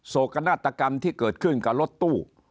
โศกนาฏกรรมที่เกิดขึ้นกับรถตู้